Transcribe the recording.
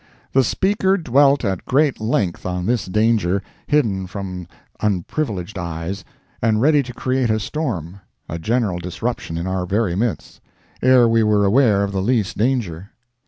The speaker dwelt at great length on this danger, hidden from unprivileged eyes, and ready to create a storm—a general disruption in our very midst—ere we were aware of the least danger.